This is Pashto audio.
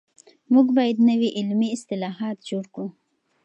موږ بايد نوي علمي اصطلاحات جوړ کړو.